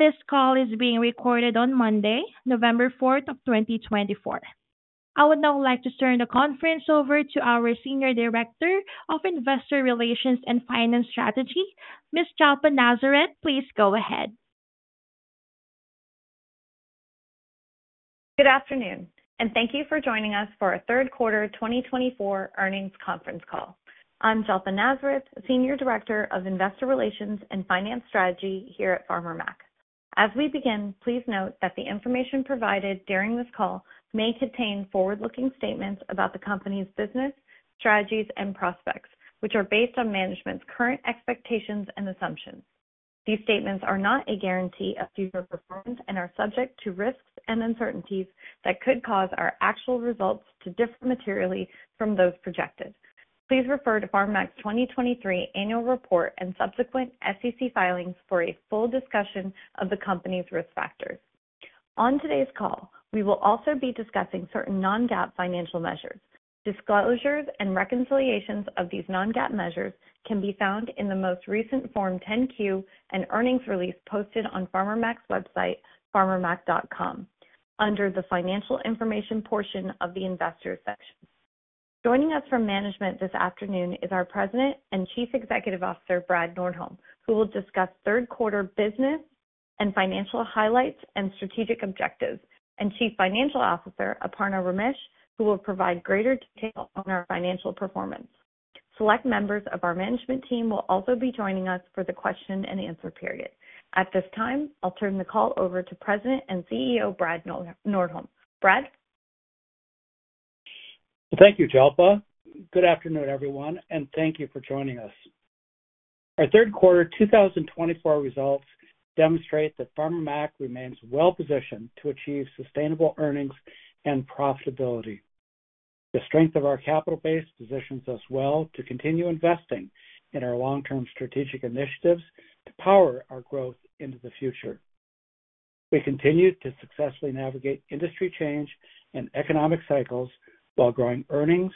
This call is being recorded on Monday, November 4th, 2024. I would now like to turn the conference over to our Senior Director of Investor Relations and Finance Strategy, Ms. Jalpa Nazareth. Please go ahead. Good afternoon, and thank you for joining us for our Third Quarter 2024 Earnings Conference Call. I'm Jalpa Nazareth, Senior Director of Investor Relations and Finance Strategy here at Farmer Mac. As we begin, please note that the information provided during this call may contain forward-looking statements about the company's business, strategies, and prospects, which are based on management's current expectations and assumptions. These statements are not a guarantee of future performance and are subject to risks and uncertainties that could cause our actual results to differ materially from those projected. Please refer to Farmer Mac's 2023 Annual Report and subsequent SEC filings for a full discussion of the company's risk factors. On today's call, we will also be discussing certain non-GAAP financial measures. Disclosures and reconciliations of these non-GAAP measures can be found in the most recent Form 10-Q and earnings release posted on Farmer Mac's website, farmermac.com, under the Financial Information portion of the Investor section. Joining us from management this afternoon is our President and Chief Executive Officer, Brad Nordholm, who will discuss Third Quarter business and financial highlights and strategic objectives, and Chief Financial Officer, Aparna Ramesh, who will provide greater detail on our financial performance. Select members of our management team will also be joining us for the question-and-answer period. At this time, I'll turn the call over to President and CEO, Brad Nordholm. Brad. Thank you, Jalpa. Good afternoon, everyone, and thank you for joining us. Our Third Quarter 2024 results demonstrate that Farmer Mac remains well-positioned to achieve sustainable earnings and profitability. The strength of our capital base positions us well to continue investing in our long-term strategic initiatives to power our growth into the future. We continue to successfully navigate industry change and economic cycles while growing earnings,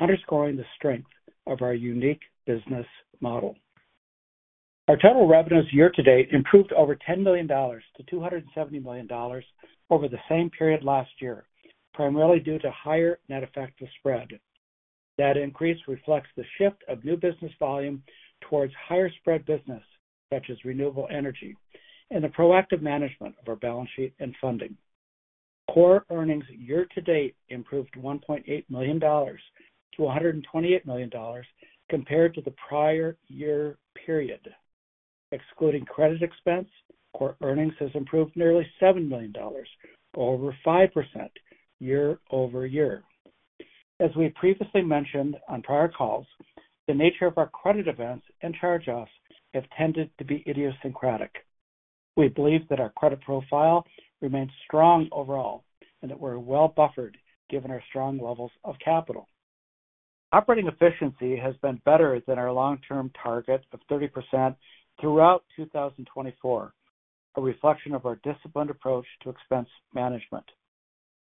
underscoring the strength of our unique business model. Our total revenues year-to-date improved over $10 million to $270 million over the same period last year, primarily due to higher net effective spread. That increase reflects the shift of new business volume towards higher spread business, such as renewable energy, and the proactive management of our balance sheet and funding. Core earnings year-to-date improved $1.8 million to $128 million compared to the prior year period. Excluding credit expense, core earnings have improved nearly $7 million, over 5% year over year. As we previously mentioned on prior calls, the nature of our credit events and charge-offs have tended to be idiosyncratic. We believe that our credit profile remains strong overall and that we're well buffered given our strong levels of capital. Operating efficiency has been better than our long-term target of 30% throughout 2024, a reflection of our disciplined approach to expense management.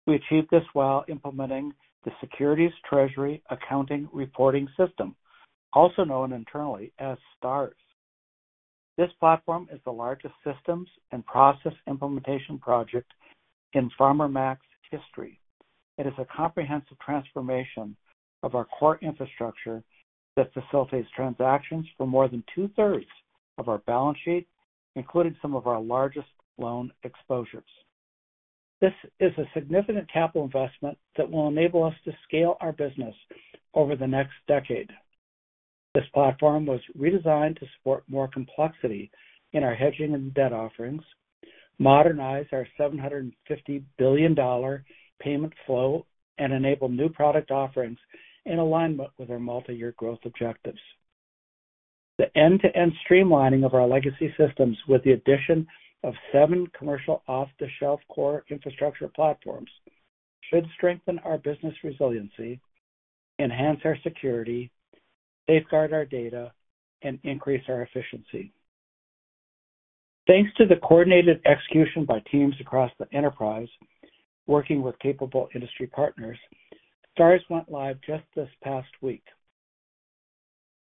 We achieved this while implementing the Securities Treasury Accounting Reporting System, also known internally as STARS. This platform is the largest systems and process implementation project in Farmer Mac's history. It is a comprehensive transformation of our core infrastructure that facilitates transactions for more than two-thirds of our balance sheet, including some of our largest loan exposures. This is a significant capital investment that will enable us to scale our business over the next decade. This platform was redesigned to support more complexity in our hedging and debt offerings, modernize our $750 billion payment flow, and enable new product offerings in alignment with our multi-year growth objectives. The end-to-end streamlining of our legacy systems with the addition of seven commercial off-the-shelf core infrastructure platforms should strengthen our business resiliency, enhance our security, safeguard our data, and increase our efficiency. Thanks to the coordinated execution by teams across the enterprise, working with capable industry partners, STARS went live just this past week.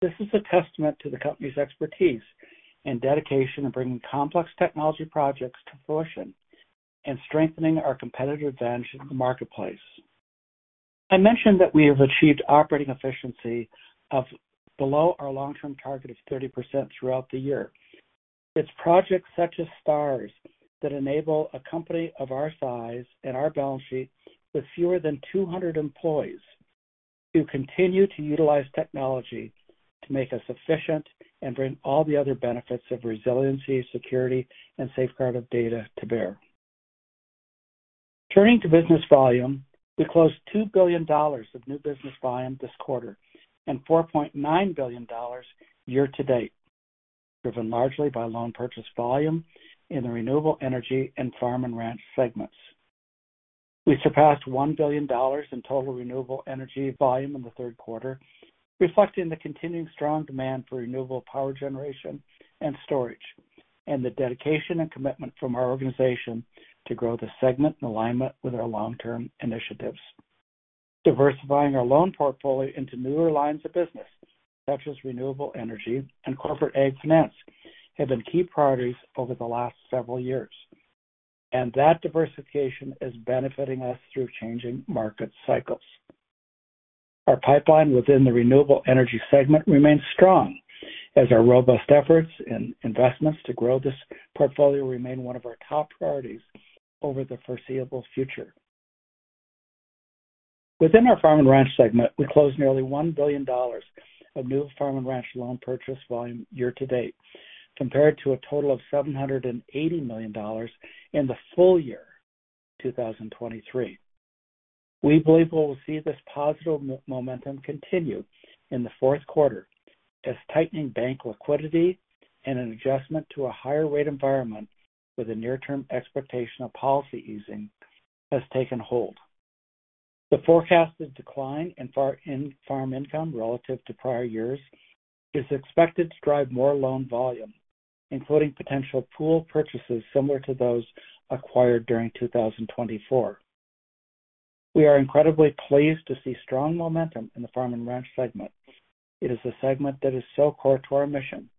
This is a testament to the company's expertise and dedication in bringing complex technology projects to fruition and strengthening our competitive advantage in the marketplace. I mentioned that we have achieved operating efficiency of below our long-term target of 30% throughout the year. It's projects such as STARS that enable a company of our size and our balance sheet with fewer than 200 employees to continue to utilize technology to make us efficient and bring all the other benefits of resiliency, security, and safeguard of data to bear. Turning to business volume, we closed $2 billion of new business volume this quarter and $4.9 billion year-to-date, driven largely by loan purchase volume in the renewable energy and farm and ranch segments. We surpassed $1 billion in total renewable energy volume in the third quarter, reflecting the continuing strong demand for renewable power generation and storage and the dedication and commitment from our organization to grow the segment in alignment with our long-term initiatives. Diversifying our loan portfolio into newer lines of business, such as renewable energy and corporate ag finance, have been key priorities over the last several years, and that diversification is benefiting us through changing market cycles. Our pipeline within the renewable energy segment remains strong as our robust efforts and investments to grow this portfolio remain one of our top priorities over the foreseeable future. Within our farm and ranch segment, we closed nearly $1 billion of new farm and ranch loan purchase volume year-to-date, compared to a total of $780 million in the full year 2023. We believe we will see this positive momentum continue in the fourth quarter as tightening bank liquidity and an adjustment to a higher rate environment with a near-term expectation of policy easing has taken hold. The forecasted decline in farm income relative to prior years is expected to drive more loan volume, including potential pool purchases similar to those acquired during 2024. We are incredibly pleased to see strong momentum in the Farm & Ranch segment. It is a segment that is so core to our mission,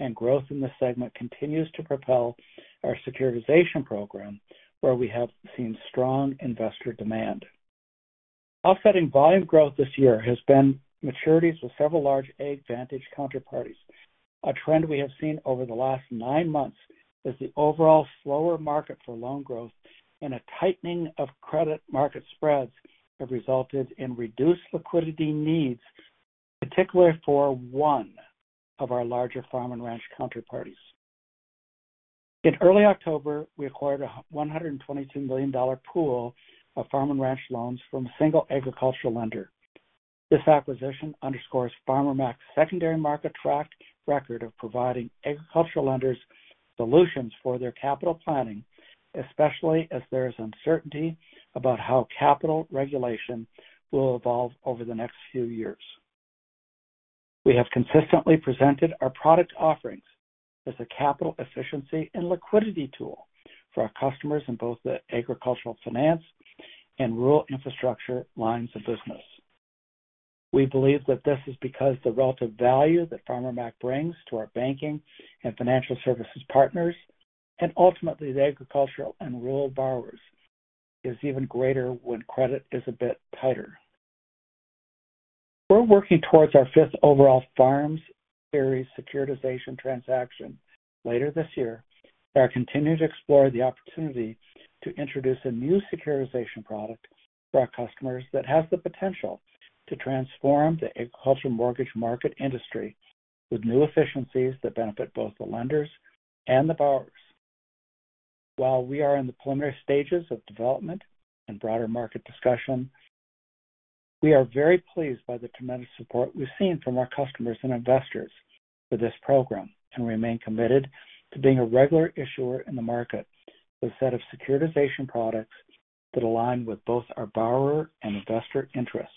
and growth in the segment continues to propel our securitization program, where we have seen strong investor demand. Offsetting volume growth this year has been maturities with several large AgVantage counterparties. A trend we have seen over the last nine months is the overall slower market for loan growth and a tightening of credit market spreads have resulted in reduced liquidity needs, particularly for one of our larger Farm & Ranch counterparties. In early October, we acquired a $122 million pool of Farm & Ranch loans from a single agricultural lender. This acquisition underscores Farmer Mac's secondary market track record of providing agricultural lenders solutions for their capital planning, especially as there is uncertainty about how capital regulation will evolve over the next few years. We have consistently presented our product offerings as a capital efficiency and liquidity tool for our customers in both the agricultural finance and rural infrastructure lines of business. We believe that this is because the relative value that Farmer Mac brings to our banking and financial services partners and ultimately the agricultural and rural borrowers is even greater when credit is a bit tighter. We're working towards our fifth overall FARM Series securitization transaction later this year and are continuing to explore the opportunity to introduce a new securitization product for our customers that has the potential to transform the agricultural mortgage market industry with new efficiencies that benefit both the lenders and the borrowers. While we are in the preliminary stages of development and broader market discussion, we are very pleased by the tremendous support we've seen from our customers and investors for this program and remain committed to being a regular issuer in the market with a set of securitization products that align with both our borrower and investor interests.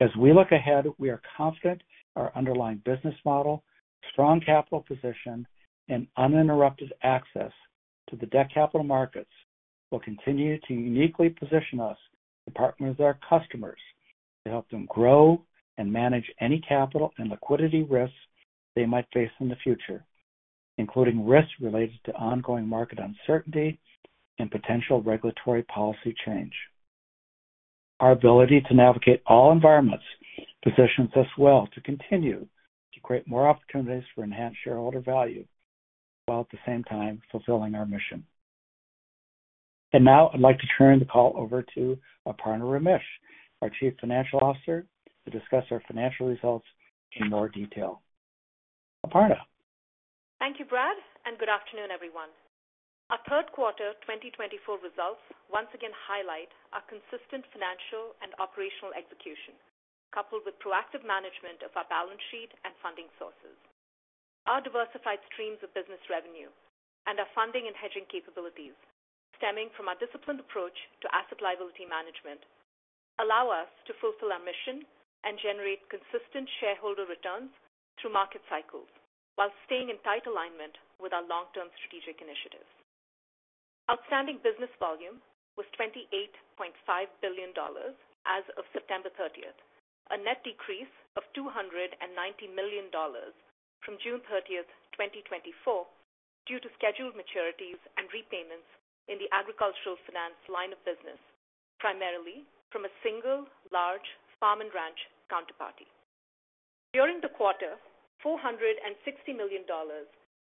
As we look ahead, we are confident our underlying business model, strong capital position, and uninterrupted access to the debt capital markets will continue to uniquely position us to partner with our customers to help them grow and manage any capital and liquidity risks they might face in the future, including risks related to ongoing market uncertainty and potential regulatory policy change. Our ability to navigate all environments positions us well to continue to create more opportunities for enhanced shareholder value while at the same time fulfilling our mission. Now I'd like to turn the call over to Aparna Ramesh, our Chief Financial Officer, to discuss our financial results in more detail. Aparna. Thank you, Brad, and good afternoon, everyone. Our Third Quarter 2024 results once again highlight our consistent financial and operational execution, coupled with proactive management of our balance sheet and funding sources. Our diversified streams of business revenue and our funding and hedging capabilities, stemming from our disciplined approach to asset liability management, allow us to fulfill our mission and generate consistent shareholder returns through market cycles while staying in tight alignment with our long-term strategic initiatives. Outstanding business volume was $28.5 billion as of September 30, a net decrease of $290 million from June 30, 2024, due to scheduled maturities and repayments in the agricultural finance line of business, primarily from a single large Farm & Ranch counterparty. During the quarter, $460 million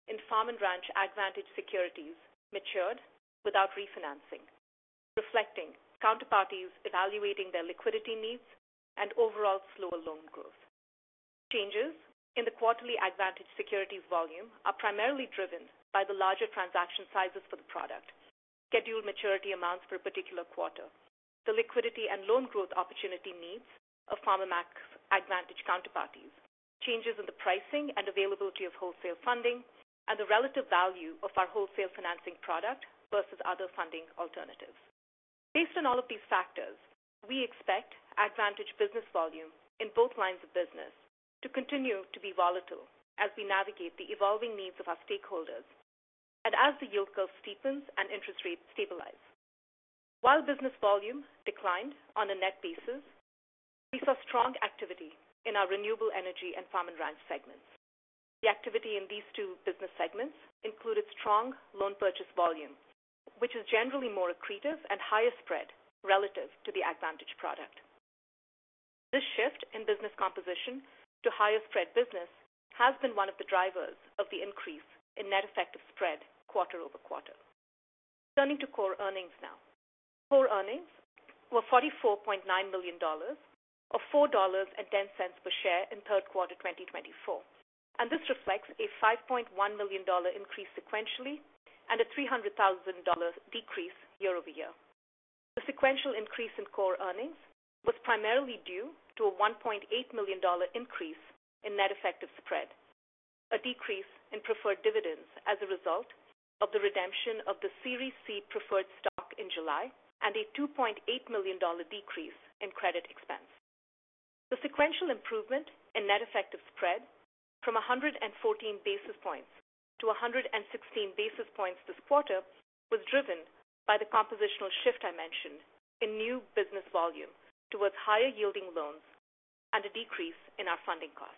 in Farm & Ranch AgVantage securities matured without refinancing, reflecting counterparties evaluating their liquidity needs and overall slower loan growth. Changes in the quarterly AgVantage securities volume are primarily driven by the larger transaction sizes for the product, scheduled maturity amounts for a particular quarter, the liquidity and loan growth opportunity needs of Farmer Mac's AgVantage counterparties, changes in the pricing and availability of wholesale funding, and the relative value of our wholesale financing product versus other funding alternatives. Based on all of these factors, we expect AgVantage business volume in both lines of business to continue to be volatile as we navigate the evolving needs of our stakeholders and as the yield curve steepens and interest rates stabilize. While business volume declined on a net basis, we saw strong activity in our Renewable Energy and Farm & Ranch segments. The activity in these two business segments included strong loan purchase volume, which is generally more accretive and higher spread relative to the AgVantage product. This shift in business composition to higher spread business has been one of the drivers of the increase in net effective spread quarter over quarter. Turning to core earnings now. Core earnings were $44.9 million, or $4.10 per share in third quarter 2024, and this reflects a $5.1 million increase sequentially and a $300,000 decrease year over year. The sequential increase in core earnings was primarily due to a $1.8 million increase in net effective spread, a decrease in preferred dividends as a result of the redemption of the Series C preferred stock in July, and a $2.8 million decrease in credit expense. The sequential improvement in net effective spread from 114 basis points to 116 basis points this quarter was driven by the compositional shift I mentioned in new business volume towards higher-yielding loans and a decrease in our funding costs.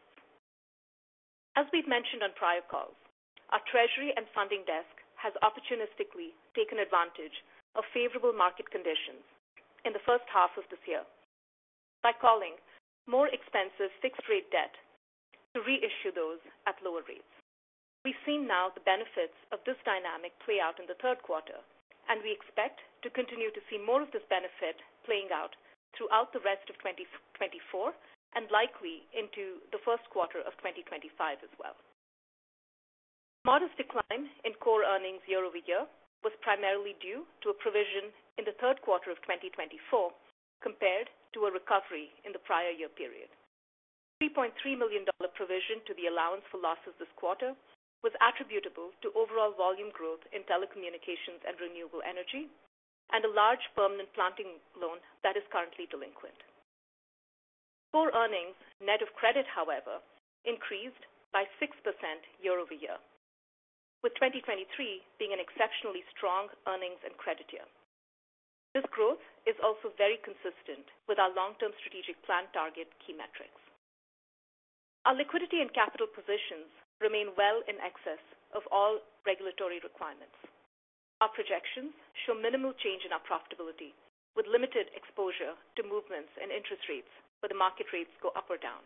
As we've mentioned on prior calls, our Treasury and Funding Desk has opportunistically taken advantage of favorable market conditions in the first half of this year by calling more expensive fixed-rate debt to reissue those at lower rates. We've seen now the benefits of this dynamic play out in the third quarter, and we expect to continue to see more of this benefit playing out throughout the rest of 2024 and likely into the first quarter of 2025 as well. Modest decline in core earnings year over year was primarily due to a provision in the third quarter of 2024 compared to a recovery in the prior year period. The $3.3 million provision to the allowance for losses this quarter was attributable to overall volume growth in telecommunications and renewable energy and a large permanent planting loan that is currently delinquent. Core earnings net of credit, however, increased by 6% year over year, with 2023 being an exceptionally strong earnings and credit year. This growth is also very consistent with our long-term strategic plan target key metrics. Our liquidity and capital positions remain well in excess of all regulatory requirements. Our projections show minimal change in our profitability, with limited exposure to movements in interest rates where the market rates go up or down.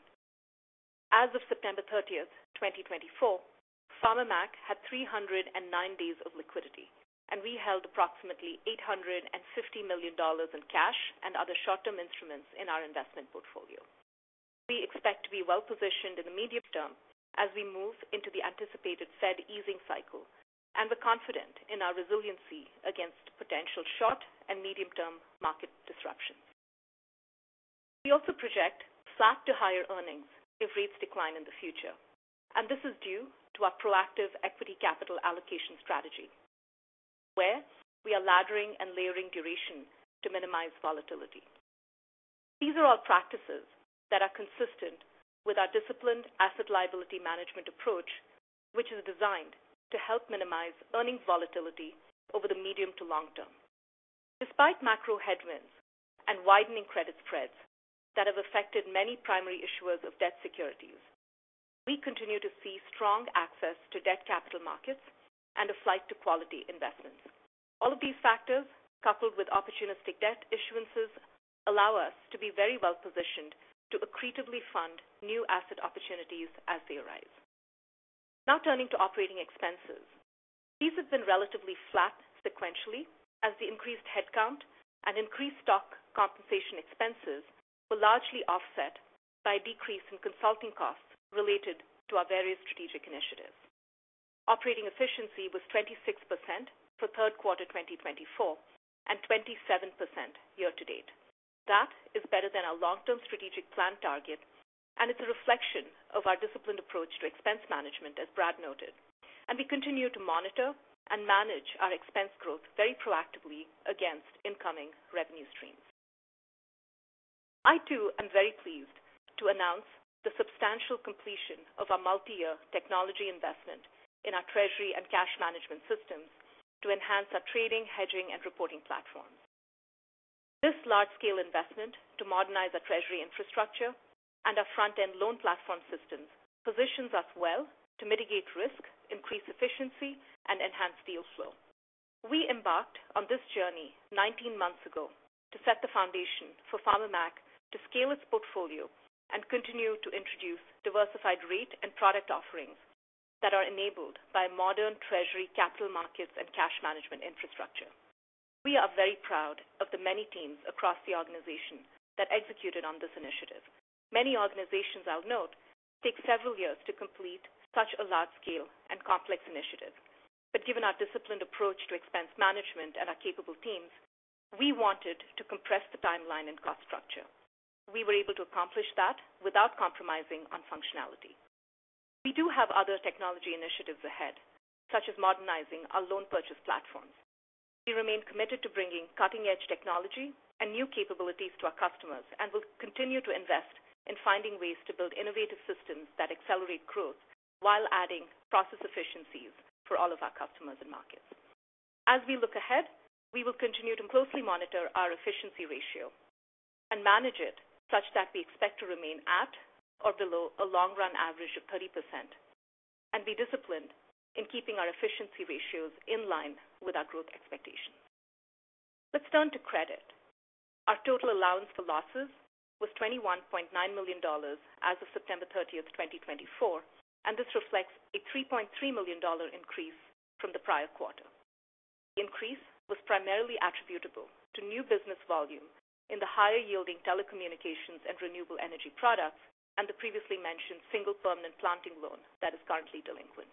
As of September 30, 2024, Farmer Mac had 309 days of liquidity, and we held approximately $850 million in cash and other short-term instruments in our investment portfolio. We expect to be well-positioned in the medium term as we move into the anticipated Fed easing cycle, and we're confident in our resiliency against potential short and medium-term market disruptions. We also project flat to higher earnings if rates decline in the future, and this is due to our proactive equity capital allocation strategy, where we are laddering and layering duration to minimize volatility. These are all practices that are consistent with our disciplined asset liability management approach, which is designed to help minimize earnings volatility over the medium to long term. Despite macro headwinds and widening credit spreads that have affected many primary issuers of debt securities, we continue to see strong access to debt capital markets and a flight to quality investments. All of these factors, coupled with opportunistic debt issuances, allow us to be very well-positioned to accretively fund new asset opportunities as they arise. Now turning to operating expenses. These have been relatively flat sequentially as the increased headcount and increased stock compensation expenses were largely offset by a decrease in consulting costs related to our various strategic initiatives. Operating efficiency was 26% for Third Quarter 2024 and 27% year-to-date. That is better than our long-term strategic plan target, and it's a reflection of our disciplined approach to expense management, as Brad noted, and we continue to monitor and manage our expense growth very proactively against incoming revenue streams. I, too, am very pleased to announce the substantial completion of our multi-year technology investment in our Treasury and Cash Management Systems to enhance our trading, hedging, and reporting platforms. This large-scale investment to modernize our Treasury infrastructure and our front-end loan platform systems positions us well to mitigate risk, increase efficiency, and enhance deal flow. We embarked on this journey 19 months ago to set the foundation for Farmer Mac to scale its portfolio and continue to introduce diversified rate and product offerings that are enabled by modern Treasury capital markets and cash management infrastructure. We are very proud of the many teams across the organization that executed on this initiative. Many organizations, I'll note, take several years to complete such a large-scale and complex initiative, but given our disciplined approach to expense management and our capable teams, we wanted to compress the timeline and cost structure. We were able to accomplish that without compromising on functionality. We do have other technology initiatives ahead, such as modernizing our loan purchase platforms. We remain committed to bringing cutting-edge technology and new capabilities to our customers and will continue to invest in finding ways to build innovative systems that accelerate growth while adding process efficiencies for all of our customers and markets. As we look ahead, we will continue to closely monitor our efficiency ratio and manage it such that we expect to remain at or below a long-run average of 30% and be disciplined in keeping our efficiency ratios in line with our growth expectations. Let's turn to credit. Our total allowance for losses was $21.9 million as of September 30, 2024, and this reflects a $3.3 million increase from the prior quarter. The increase was primarily attributable to new business volume in the higher-yielding telecommunications and renewable energy products and the previously mentioned single permanent planting loan that is currently delinquent.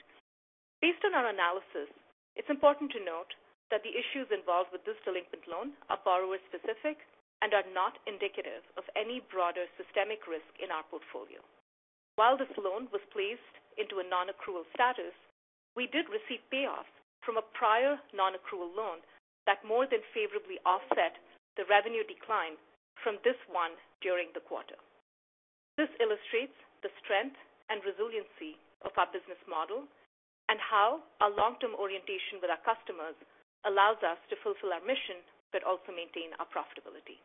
Based on our analysis, it's important to note that the issues involved with this delinquent loan are borrower-specific and are not indicative of any broader systemic risk in our portfolio. While this loan was placed into a non-accrual status, we did receive payoffs from a prior non-accrual loan that more than favorably offset the revenue decline from this one during the quarter. This illustrates the strength and resiliency of our business model and how our long-term orientation with our customers allows us to fulfill our mission but also maintain our profitability.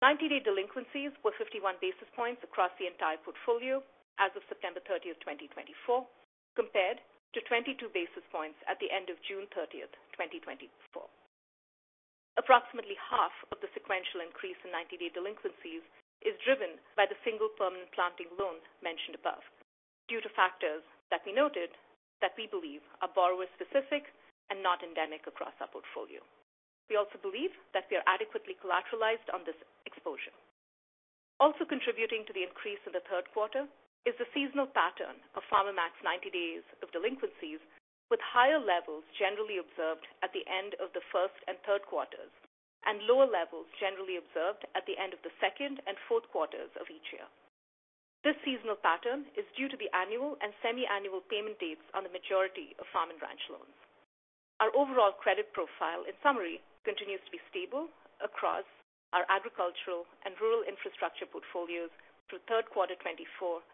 90-day delinquencies were 51 basis points across the entire portfolio as of September 30, 2024, compared to 22 basis points at the end of June 30, 2024. Approximately half of the sequential increase in 90-day delinquencies is driven by the single permanent planting loan mentioned above due to factors that we noted that we believe are borrower-specific and not endemic across our portfolio. We also believe that we are adequately collateralized on this exposure. Also contributing to the increase in the third quarter is the seasonal pattern of Farmer Mac's 90-day delinquencies, with higher levels generally observed at the end of the first and third quarters and lower levels generally observed at the end of the second and fourth quarters of each year. This seasonal pattern is due to the annual and semiannual payment dates on the majority of farm and ranch loans. Our overall credit profile, in summary, continues to be stable across our agricultural and rural infrastructure portfolios through Third Quarter 2024,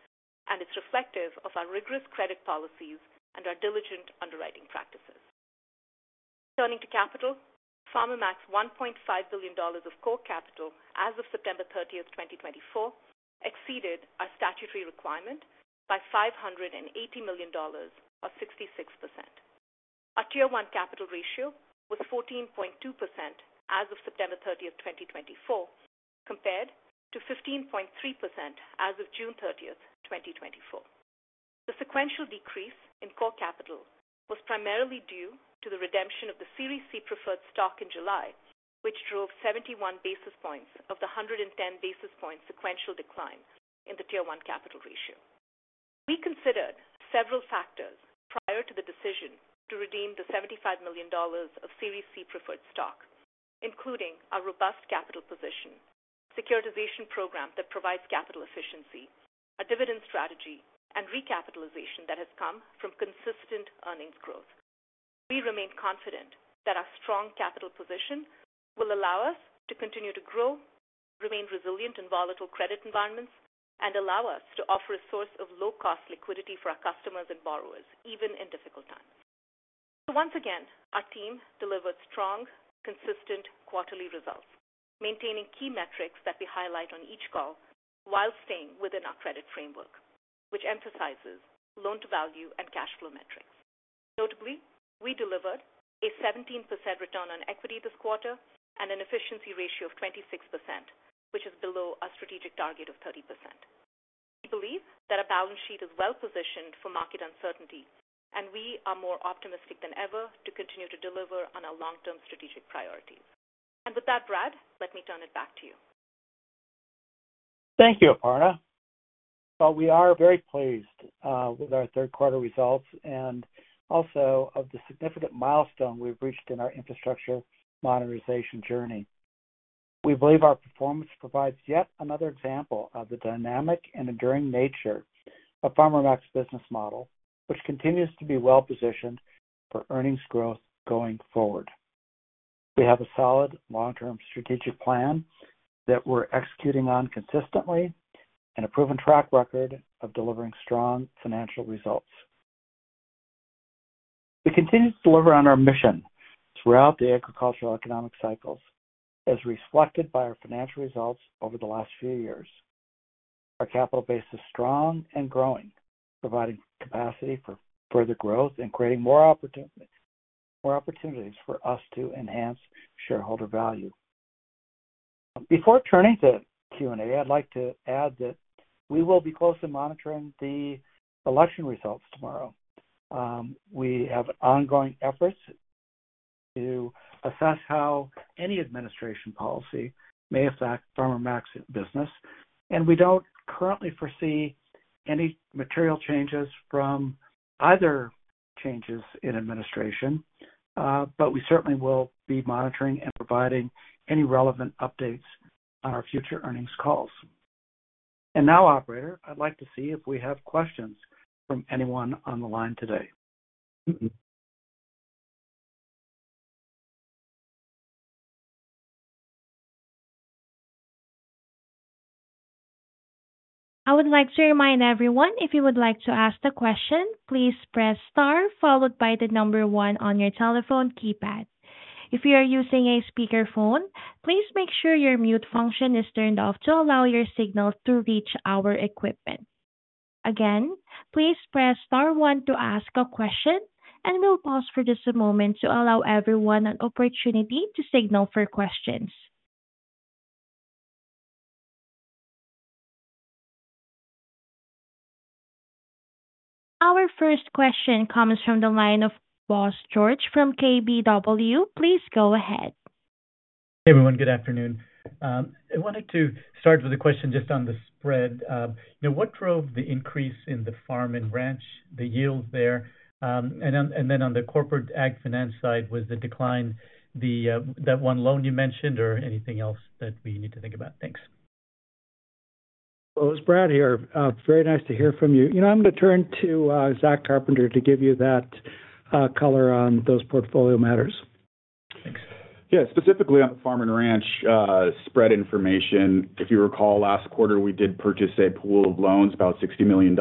and it's reflective of our rigorous credit policies and our diligent underwriting practices. Turning to capital, Farmer Mac's $1.5 billion of core capital as of September 30, 2024, exceeded our statutory requirement by $580 million, or 66%. Our Tier 1 capital ratio was 14.2% as of September 30, 2024, compared to 15.3% as of June 30, 2024. The sequential decrease in core capital was primarily due to the redemption of the Series C preferred stock in July, which drove 71 basis points of the 110 basis points sequential decline in the Tier 1 capital ratio. We considered several factors prior to the decision to redeem the $75 million of Series C preferred stock, including our robust capital position, securitization program that provides capital efficiency, a dividend strategy, and recapitalization that has come from consistent earnings growth. We remain confident that our strong capital position will allow us to continue to grow, remain resilient in volatile credit environments, and allow us to offer a source of low-cost liquidity for our customers and borrowers, even in difficult times. So once again, our team delivered strong, consistent quarterly results, maintaining key metrics that we highlight on each call while staying within our credit framework, which emphasizes loan-to-value and cash flow metrics. Notably, we delivered a 17% return on equity this quarter and an efficiency ratio of 26%, which is below our strategic target of 30%. We believe that our balance sheet is well-positioned for market uncertainty, and we are more optimistic than ever to continue to deliver on our long-term strategic priorities. And with that, Brad, let me turn it back to you. Thank you, Aparna. So we are very pleased with our Third Quarter results and also of the significant milestone we've reached in our infrastructure modernization journey. We believe our performance provides yet another example of the dynamic and enduring nature of Farmer Mac's business model, which continues to be well-positioned for earnings growth going forward. We have a solid long-term strategic plan that we're executing on consistently and a proven track record of delivering strong financial results. We continue to deliver on our mission throughout the agricultural economic cycles, as reflected by our financial results over the last few years. Our capital base is strong and growing, providing capacity for further growth and creating more opportunities for us to enhance shareholder value. Before turning to Q&A, I'd like to add that we will be closely monitoring the election results tomorrow. We have ongoing efforts to assess how any administration policy may affect Farmer Mac's business, and we don't currently foresee any material changes from either changes in administration, but we certainly will be monitoring and providing any relevant updates on our future earnings calls. And now, Operator, I'd like to see if we have questions from anyone on the line today. I would like to remind everyone, if you would like to ask a question, please press star followed by the number one on your telephone keypad. If you are using a speakerphone, please make sure your mute function is turned off to allow your signal to reach our equipment. Again, please press star one to ask a question, and we'll pause for just a moment to allow everyone an opportunity to signal for questions. Our first question comes from the line of Bose George from KBW. Please go ahead. Hey, everyone. Good afternoon. I wanted to start with a question just on the spread. What drove the increase in the farm and ranch, the yields there, and then on the corporate ag finance side, was the decline that one loan you mentioned or anything else that we need to think about? Thanks. Well, it was Brad here. Very nice to hear from you. I'm going to turn to Zach Carpenter to give you that color on those portfolio matters. Thanks. Yeah. Specifically on the farm and ranch spread information, if you recall, last quarter, we did purchase a pool of loans, about $60 million.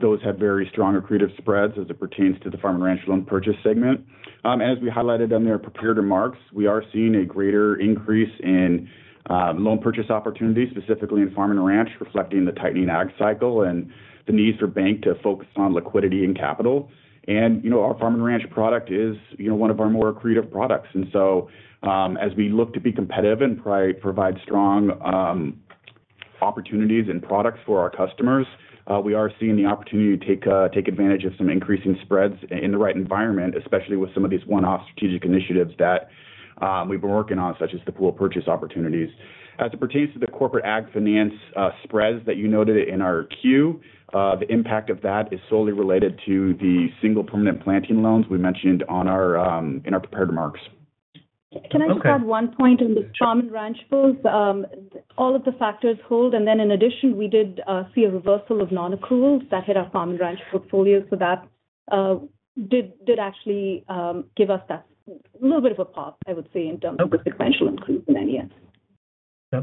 Those have very strong accretive spreads as it pertains to the farm and ranch loan purchase segment. And as we highlighted on their prepared remarks, we are seeing a greater increase in loan purchase opportunities, specifically in farm and ranch, reflecting the tightening ag cycle and the need for bank to focus on liquidity and capital. And our farm and ranch product is one of our more accretive products. And so as we look to be competitive and provide strong opportunities and products for our customers, we are seeing the opportunity to take advantage of some increasing spreads in the right environment, especially with some of these one-off strategic initiatives that we've been working on, such as the pool purchase opportunities. As it pertains to the corporate ag finance spreads that you noted in our queue, the impact of that is solely related to the single permanent planting loans we mentioned in our prepared remarks. Can I just add one point on the farm and ranch pools? All of the factors hold. And then in addition, we did see a reversal of non-accruals that hit our farm and ranch portfolio, so that did actually give us a little bit of a pop, I would say, in terms of the sequential increase in NES.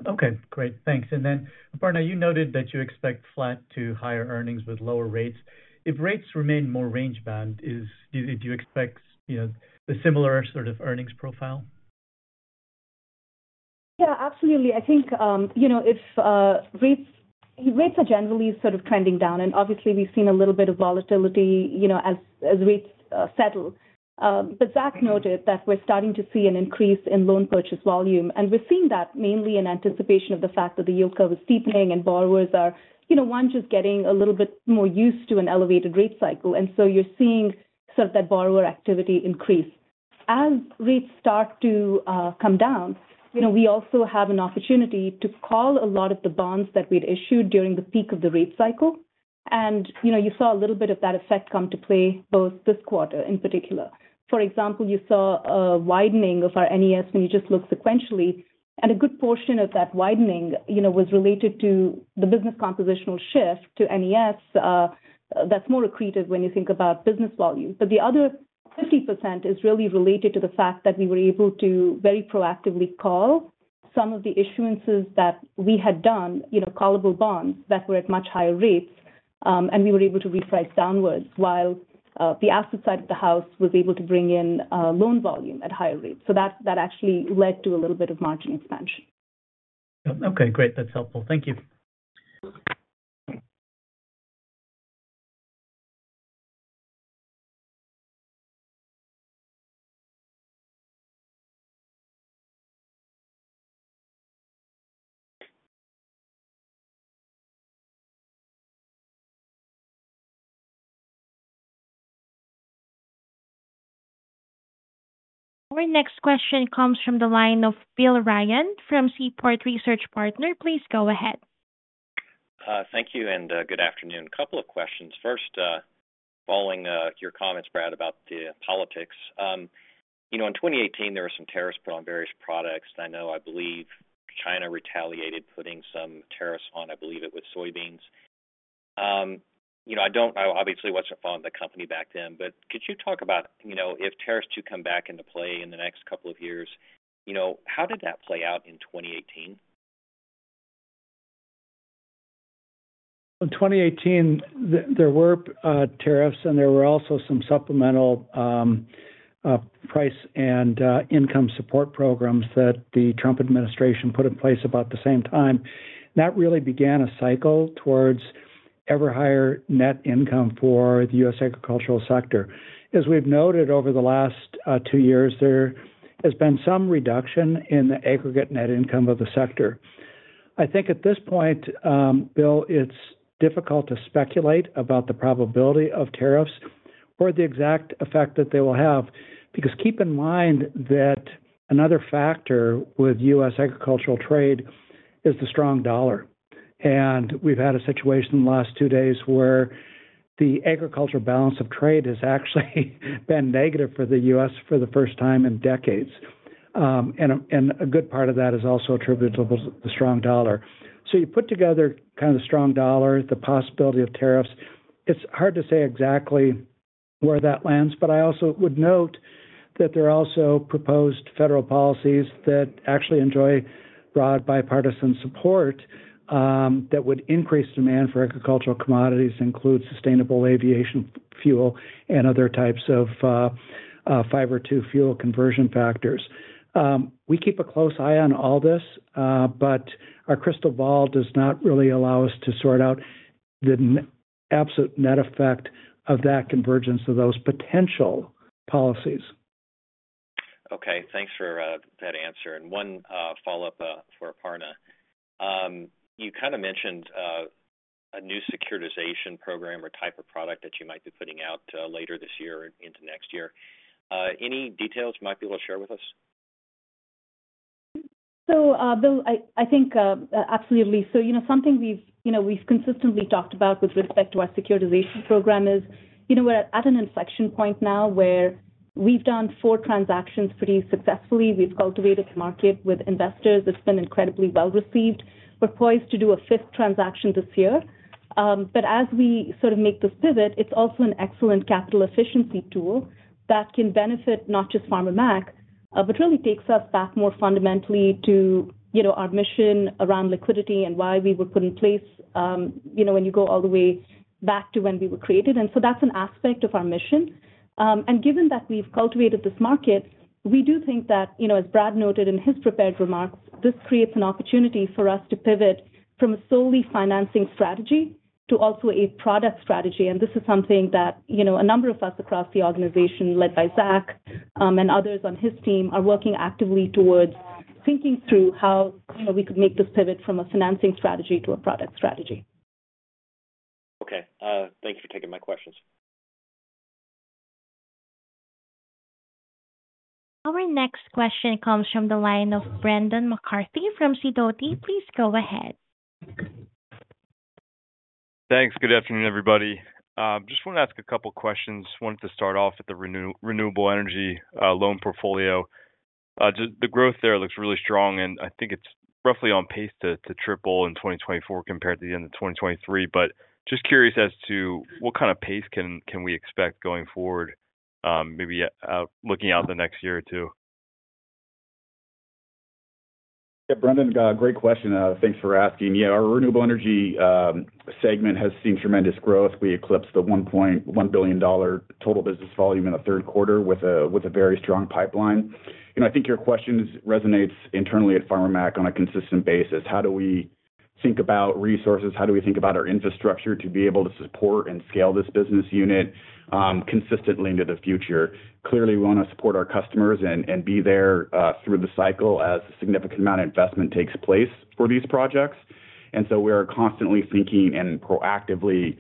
Okay. Great. Thanks. And then, Aparna, you noted that you expect flat to higher earnings with lower rates. If rates remain more range-bound, do you expect the similar sort of earnings profile? Yeah, absolutely. I think if rates are generally sort of trending down, and obviously, we've seen a little bit of volatility as rates settle. But Zach noted that we're starting to see an increase in loan purchase volume, and we're seeing that mainly in anticipation of the fact that the yield curve is steepening and borrowers are, one, just getting a little bit more used to an elevated rate cycle. And so you're seeing sort of that borrower activity increase. As rates start to come down, we also have an opportunity to call a lot of the bonds that we'd issued during the peak of the rate cycle. And you saw a little bit of that effect come to play both this quarter in particular. For example, you saw a widening of our NES when you just looked sequentially, and a good portion of that widening was related to the business compositional shift to NES that's more accretive when you think about business volume. But the other 50% is really related to the fact that we were able to very proactively call some of the issuances that we had done, callable bonds that were at much higher rates, and we were able to reprice downwards while the asset side of the house was able to bring in loan volume at higher rates. So that actually led to a little bit of margin expansion. Okay. Great. That's helpful. Thank you. Our next question comes from the line of Bill Ryan from Seaport Research Partners. Please go ahead. Thank you and good afternoon. A couple of questions. First, following your comments, Brad, about the politics, in 2018, there were some tariffs put on various products. I know, I believe, China retaliated, putting some tariffs on, I believe it was soybeans. I obviously wasn't following the company back then, but could you talk about if tariffs do come back into play in the next couple of years, how did that play out in 2018? In 2018, there were tariffs, and there were also some supplemental price and income support programs that the Trump administration put in place about the same time. That really began a cycle towards ever higher net income for the U.S. agricultural sector. As we've noted over the last two years, there has been some reduction in the aggregate net income of the sector. I think at this point, Bill, it's difficult to speculate about the probability of tariffs or the exact effect that they will have because keep in mind that another factor with U.S. agricultural trade is the strong dollar. And we've had a situation in the last two days where the agricultural balance of trade has actually been negative for the U.S. for the first time in decades. And a good part of that is also attributable to the strong dollar. So you put together kind of the strong dollar, the possibility of tariffs. It's hard to say exactly where that lands, but I also would note that there are also proposed federal policies that actually enjoy broad bipartisan support that would increase demand for agricultural commodities, include sustainable aviation fuel and other types of fiber-to-fuel conversion factors. We keep a close eye on all this, but our crystal ball does not really allow us to sort out the absolute net effect of that convergence of those potential policies. Okay. Thanks for that answer. And one follow-up for Aparna. You kind of mentioned a new securitization program or type of product that you might be putting out later this year or into next year. Any details you might be able to share with us? So Bill, I think absolutely. So something we've consistently talked about with respect to our securitization program is we're at an inflection point now where we've done four transactions pretty successfully. We've cultivated the market with investors. It's been incredibly well received. We're poised to do a fifth transaction this year. But as we sort of make this pivot, it's also an excellent capital efficiency tool that can benefit not just Farmer Mac, but really takes us back more fundamentally to our mission around liquidity and why we were put in place when you go all the way back to when we were created. And so that's an aspect of our mission. And given that we've cultivated this market, we do think that, as Brad noted in his prepared remarks, this creates an opportunity for us to pivot from a solely financing strategy to also a product strategy. And this is something that a number of us across the organization, led by Zach and others on his team, are working actively towards thinking through how we could make this pivot from a financing strategy to a product strategy. Okay. Thank you for taking my questions. Our next question comes from the line of Brendan McCarthy from Sidoti. Please go ahead. Thanks. Good afternoon, everybody. Just wanted to ask a couple of questions. Wanted to start off with the renewable energy loan portfolio. The growth there looks really strong, and I think it's roughly on pace to triple in 2024 compared to the end of 2023. But just curious as to what kind of pace can we expect going forward, maybe looking out the next year or two? Yeah. Brendan, great question. Thanks for asking. Yeah. Our renewable energy segment has seen tremendous growth. We eclipsed the $1 billion total business volume in the third quarter with a very strong pipeline. I think your question resonates internally at Farmer Mac on a consistent basis. How do we think about resources? How do we think about our infrastructure to be able to support and scale this business unit consistently into the future? Clearly, we want to support our customers and be there through the cycle as a significant amount of investment takes place for these projects, and so we are constantly thinking and proactively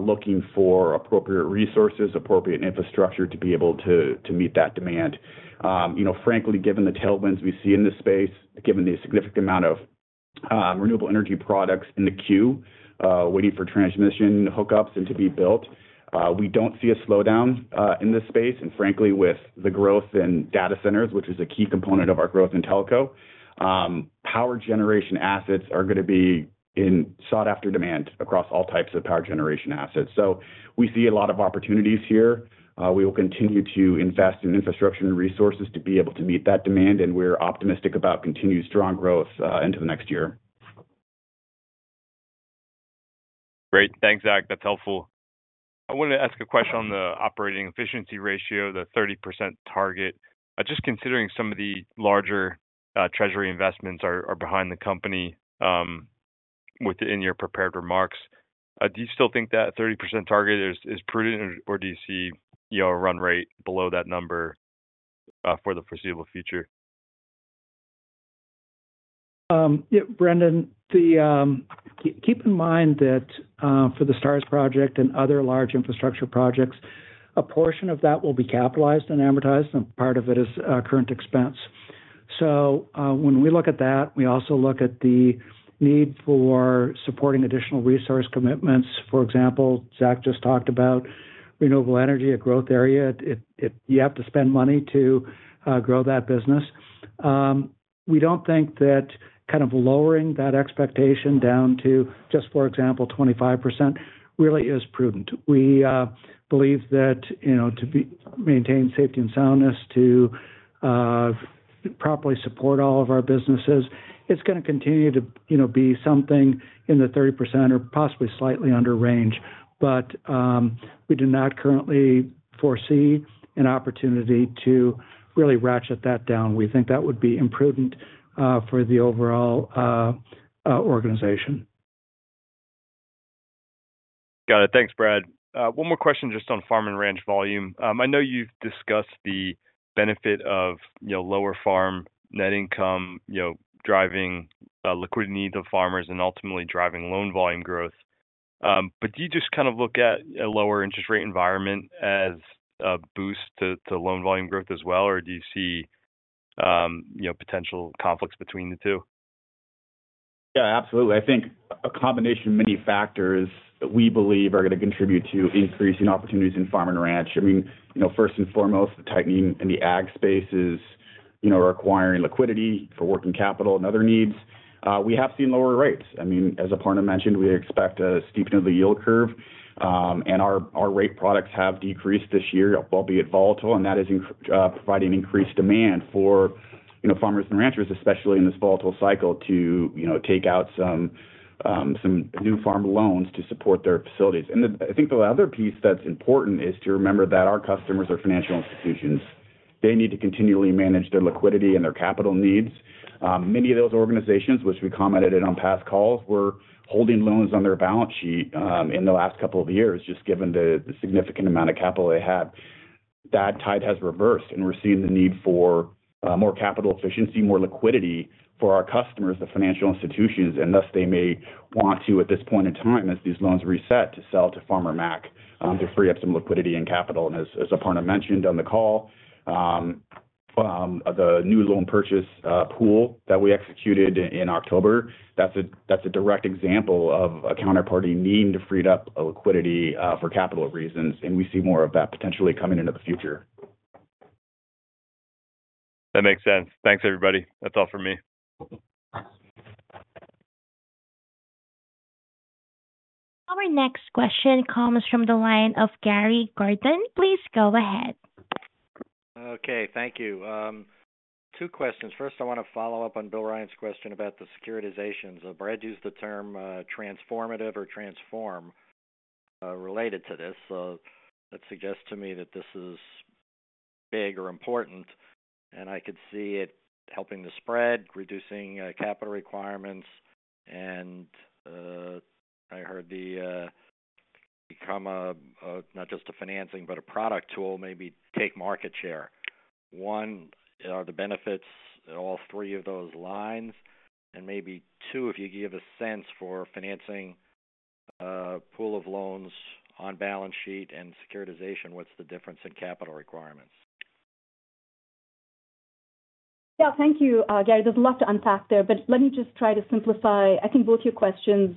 looking for appropriate resources, appropriate infrastructure to be able to meet that demand. Frankly, given the tailwinds we see in this space, given the significant amount of renewable energy products in the queue, waiting for transmission hookups and to be built, we don't see a slowdown in this space. And frankly, with the growth in data centers, which is a key component of our growth in telco, power generation assets are going to be in sought-after demand across all types of power generation assets. So we see a lot of opportunities here. We will continue to invest in infrastructure and resources to be able to meet that demand, and we're optimistic about continued strong growth into the next year. Great. Thanks, Zach. That's helpful. I wanted to ask a question on the operating efficiency ratio, the 30% target. Just considering some of the larger treasury investments are behind the company within your prepared remarks, do you still think that 30% target is prudent, or do you see a run rate below that number for the foreseeable future? Yeah. Brendan, keep in mind that for the STARS project and other large infrastructure projects, a portion of that will be capitalized and amortized, and part of it is current expense. So when we look at that, we also look at the need for supporting additional resource commitments. For example, Zach just talked about renewable energy a growth area. You have to spend money to grow that business. We don't think that kind of lowering that expectation down to just, for example, 25% really is prudent. We believe that to maintain safety and soundness, to properly support all of our businesses, it's going to continue to be something in the 30% or possibly slightly under range. But we do not currently foresee an opportunity to really ratchet that down. We think that would be imprudent for the overall organization. Got it. Thanks, Brad. One more question just on farm and ranch volume. I know you've discussed the benefit of lower farm net income driving liquidity needs of farmers and ultimately driving loan volume growth. But do you just kind of look at a lower interest rate environment as a boost to loan volume growth as well, or do you see potential conflicts between the two? Yeah, absolutely. I think a combination of many factors that we believe are going to contribute to increasing opportunities in farm and ranch. I mean, first and foremost, the tightening in the ag space is requiring liquidity for working capital and other needs. We have seen lower rates. I mean, as Aparna mentioned, we expect a steepening of the yield curve, and our rate products have decreased this year, albeit volatile, and that is providing increased demand for farmers and ranchers, especially in this volatile cycle, to take out some new farm loans to support their facilities. And I think the other piece that's important is to remember that our customers are financial institutions. They need to continually manage their liquidity and their capital needs. Many of those organizations, which we commented on past calls, were holding loans on their balance sheet in the last couple of years, just given the significant amount of capital they had. That tide has reversed, and we're seeing the need for more capital efficiency, more liquidity for our customers, the financial institutions, and thus they may want to, at this point in time, as these loans reset, to sell to Farmer Mac to free up some liquidity and capital. And as Aparna mentioned on the call, the new loan purchase pool that we executed in October, that's a direct example of a counterparty needing to free up liquidity for capital reasons, and we see more of that potentially coming into the future. That makes sense. Thanks, everybody. That's all for me. Our next question comes from the line of Gary Gordon. Please go ahead. Okay. Thank you. Two questions. First, I want to follow up on Bill Ryan's question about the securitizations. Brad used the term transformative or transform related to this. That suggests to me that this is big or important, and I could see it helping the spread, reducing capital requirements, and I heard it become not just a financing, but a product tool, maybe take market share. One, are the benefits in all three of those lines? And maybe two, if you give a sense for financing pool of loans on balance sheet and securitization, what's the difference in capital requirements? Yeah. Thank you, Gary. There's a lot to unpack there, but let me just try to simplify. I think both your questions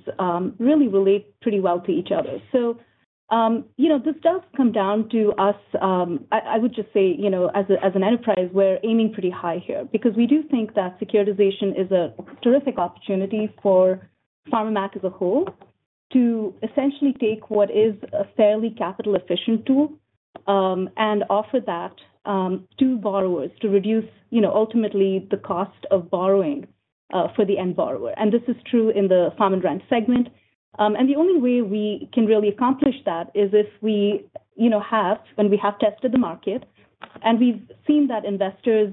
really relate pretty well to each other. So this does come down to us. I would just say, as an enterprise, we're aiming pretty high here because we do think that securitization is a terrific opportunity for Farmer Mac as a whole to essentially take what is a fairly capital-efficient tool and offer that to borrowers to reduce ultimately the cost of borrowing for the end borrower. And this is true in the farm and ranch segment. And the only way we can really accomplish that is if we have and we have tested the market, and we've seen that investors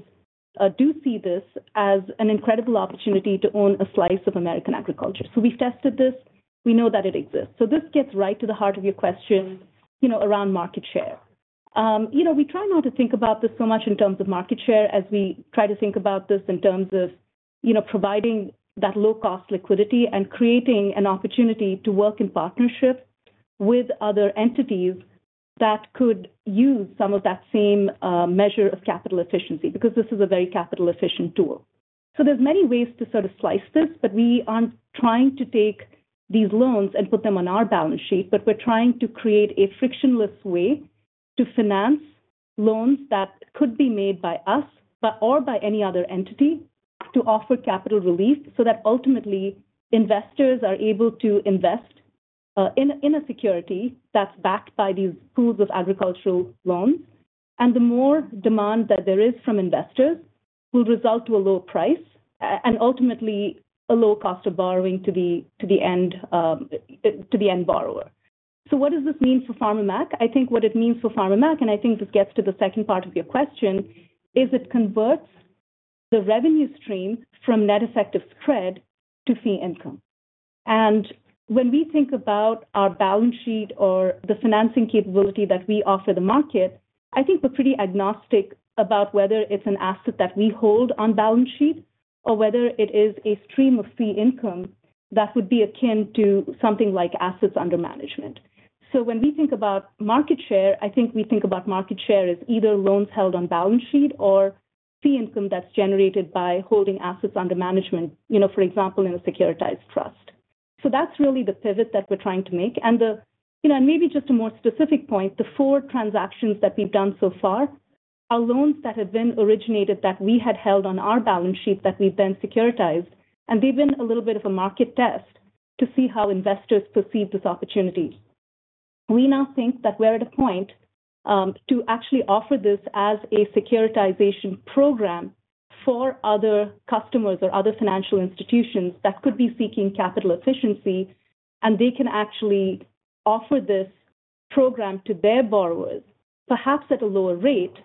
do see this as an incredible opportunity to own a slice of American agriculture. So we've tested this. We know that it exists. So this gets right to the heart of your question around market share. We try not to think about this so much in terms of market share as we try to think about this in terms of providing that low-cost liquidity and creating an opportunity to work in partnership with other entities that could use some of that same measure of capital efficiency because this is a very capital-efficient tool. So there's many ways to sort of slice this, but we aren't trying to take these loans and put them on our balance sheet, but we're trying to create a frictionless way to finance loans that could be made by us or by any other entity to offer capital relief so that ultimately investors are able to invest in a security that's backed by these pools of agricultural loans. And the more demand that there is from investors will result to a low price and ultimately a low cost of borrowing to the end borrower. So what does this mean for Farmer Mac? I think what it means for Farmer Mac, and I think this gets to the second part of your question, is it converts the revenue stream from net effective spread to fee income. And when we think about our balance sheet or the financing capability that we offer the market, I think we're pretty agnostic about whether it's an asset that we hold on balance sheet or whether it is a stream of fee income that would be akin to something like assets under management. So when we think about market share, I think we think about market share as either loans held on balance sheet or fee income that's generated by holding assets under management, for example, in a securitized trust. So that's really the pivot that we're trying to make, and maybe just a more specific point, the four transactions that we've done so far are loans that have been originated that we had held on our balance sheet that we've then securitized, and they've been a little bit of a market test to see how investors perceive this opportunity. We now think that we're at a point to actually offer this as a securitization program for other customers or other financial institutions that could be seeking capital efficiency, and they can actually offer this program to their borrowers, perhaps at a lower rate,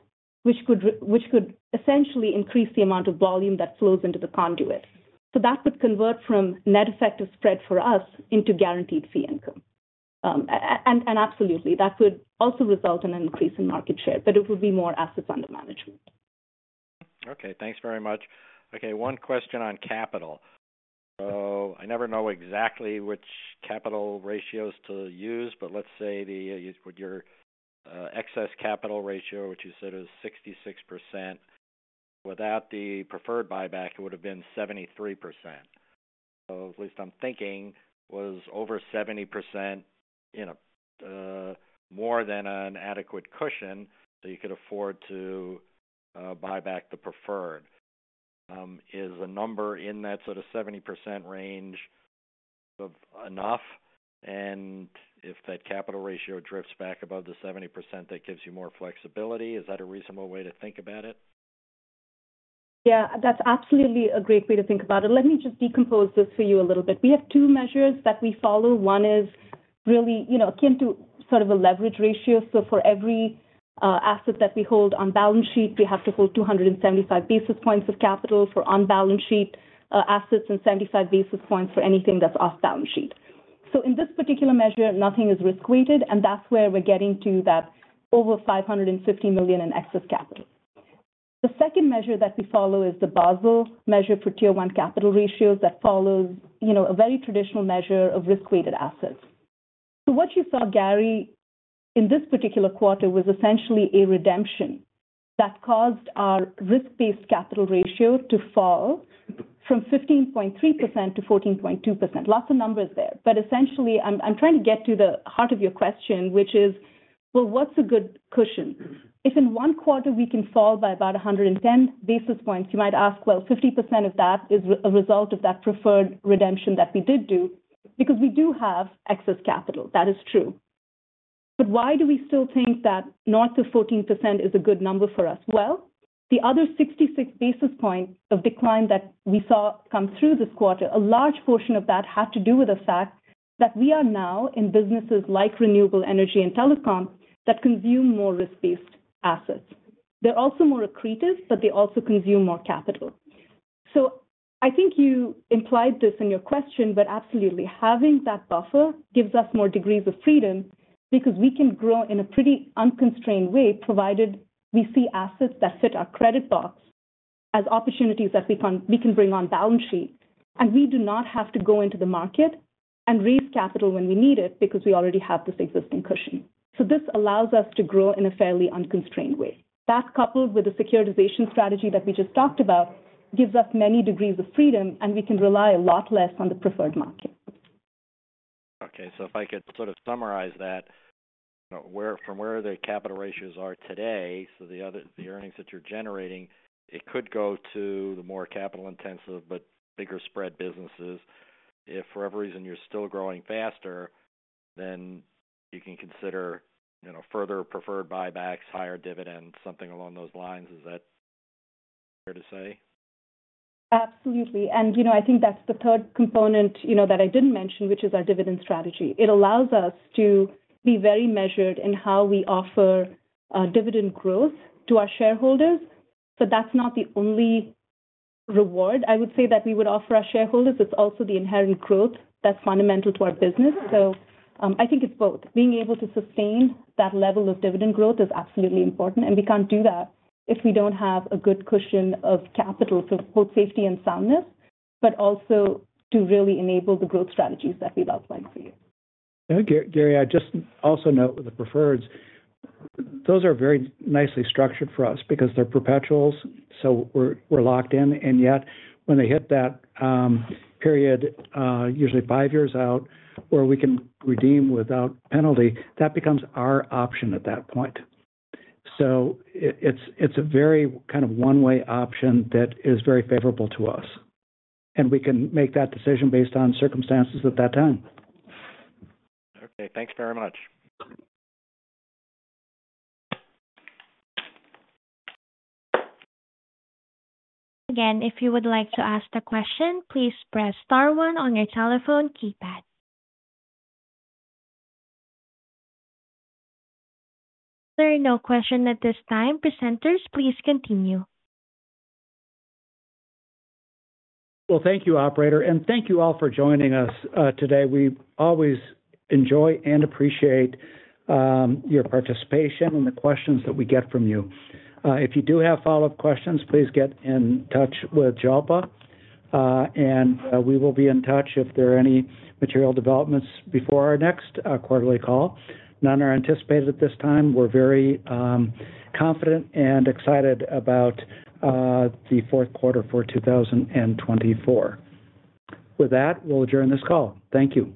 which could essentially increase the amount of volume that flows into the conduit. So that would convert from net effective spread for us into guaranteed fee income. And absolutely, that would also result in an increase in market share, but it would be more assets under management. Okay. Thanks very much. Okay. One question on capital. So I never know exactly which capital ratios to use, but let's say your excess capital ratio, which you said is 66%. Without the preferred buyback, it would have been 73%. So at least I'm thinking was over 70%, more than an adequate cushion that you could afford to buy back the preferred. Is a number in that sort of 70% range enough? And if that capital ratio drifts back above the 70%, that gives you more flexibility. Is that a reasonable way to think about it? Yeah. That's absolutely a great way to think about it. Let me just decompose this for you a little bit. We have two measures that we follow. One is really akin to sort of a leverage ratio. So for every asset that we hold on balance sheet, we have to hold 275 basis points of capital for on-balance sheet assets and 75 basis points for anything that's off-balance sheet. So in this particular measure, nothing is risk-weighted, and that's where we're getting to that over $550 million in excess capital. The second measure that we follow is the Basel measure for Tier 1 capital ratios that follows a very traditional measure of risk-weighted assets. So what you saw, Gary, in this particular quarter was essentially a redemption that caused our risk-based capital ratio to fall from 15.3% to 14.2%. Lots of numbers there. But essentially, I'm trying to get to the heart of your question, which is, well, what's a good cushion? If in one quarter we can fall by about 110 basis points, you might ask, well, 50% of that is a result of that preferred redemption that we did do because we do have excess capital. That is true. But why do we still think that north of 14% is a good number for us? The other 66 basis points of decline that we saw come through this quarter, a large portion of that had to do with the fact that we are now in businesses like renewable energy and telecom that consume more risk-based assets. They're also more accretive, but they also consume more capital. I think you implied this in your question, but absolutely, having that buffer gives us more degrees of freedom because we can grow in a pretty unconstrained way, provided we see assets that fit our credit box as opportunities that we can bring on balance sheet. We do not have to go into the market and raise capital when we need it because we already have this existing cushion. This allows us to grow in a fairly unconstrained way. That coupled with the securitization strategy that we just talked about gives us many degrees of freedom, and we can rely a lot less on the preferred market. Okay. So if I could sort of summarize that, from where the capital ratios are today, so the earnings that you're generating, it could go to the more capital-intensive but bigger spread businesses. If for every reason you're still growing faster, then you can consider further preferred buybacks, higher dividends, something along those lines. Is that fair to say? Absolutely. And I think that's the third component that I didn't mention, which is our dividend strategy. It allows us to be very measured in how we offer dividend growth to our shareholders. So that's not the only reward I would say that we would offer our shareholders. It's also the inherent growth that's fundamental to our business. So I think it's both. Being able to sustain that level of dividend growth is absolutely important, and we can't do that if we don't have a good cushion of capital to hold safety and soundness, but also to really enable the growth strategies that we've outlined for you. Gary, I just also note with the preferreds, those are very nicely structured for us because they're perpetuals, so we're locked in. And yet when they hit that period, usually five years out, where we can redeem without penalty, that becomes our option at that point. So it's a very kind of one-way option that is very favorable to us, and we can make that decision based on circumstances at that time. Okay. Thanks very much. Again, if you would like to ask the question, please press star one on your telephone keypad. There are no questions at this time. Presenters, please continue. Well, thank you, Operator, and thank you all for joining us today. We always enjoy and appreciate your participation and the questions that we get from you. If you do have follow-up questions, please get in touch with Jalpa, and we will be in touch if there are any material developments before our next quarterly call. None are anticipated at this time. We're very confident and excited about the fourth quarter for 2024. With that, we'll adjourn this call. Thank you.